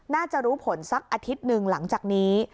น่าจะรู้ผลสักอาทิตย์หนึ่งหลังจากนี้